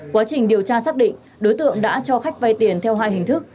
quá trình điều tra xác định đối tượng đã cho khách vay tiền theo hai hình thức